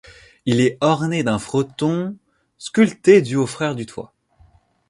Il est orné d'un fronton sculpté dû aux frères Duthoit.